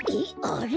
あれ？